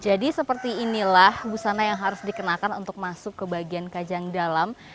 jadi seperti inilah busana yang harus dikenakan untuk masuk ke bagian kajang dalam